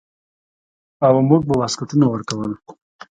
او موږ به واسکټونه ورکول.